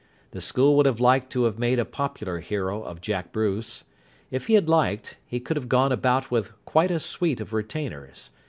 The school would have liked to have made a popular hero of Jack Bruce. If he had liked, he could have gone about with quite a suite of retainers.